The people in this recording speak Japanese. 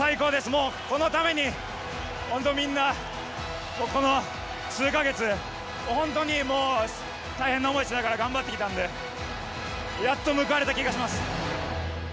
もうこのために、本当みんな、この数か月、本当にもう、大変な思いしながら頑張ってきたんで、やっと報われた気がします。